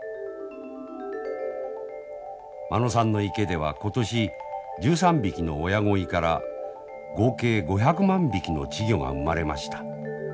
間野さんの池では今年１３匹の親鯉から合計５００万匹の稚魚が生まれました。